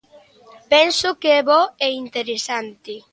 Penso que é bo e interesante.